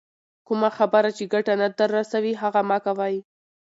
کمه خبر چي ګټه نه در رسوي، هغه مه کوئ!